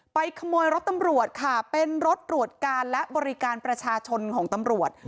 ขโมยรถตำรวจค่ะเป็นรถตรวจการและบริการประชาชนของตำรวจ